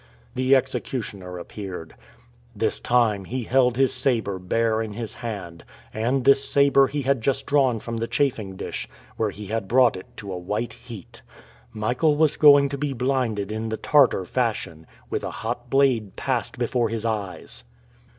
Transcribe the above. The executioner appeared. This time, he held his saber bare in his hand, and this saber he had just drawn from the chafing dish, where he had brought it to a white heat. Michael was going to be blinded in the Tartar fashion, with a hot blade passed before his eyes!